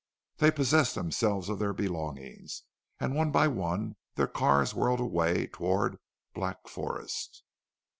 They possessed themselves of their belongings, and one by one their cars whirled away toward "Black Forest."